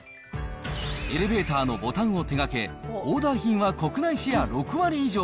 エレベーターのボタンを手がけ、オーダー品は国内シェア６割以上。